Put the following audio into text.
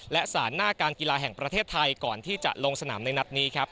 และสารหน้าการกีฬาแห่งประเทศไทยก่อนที่จะลงสนามในนัดนี้ครับ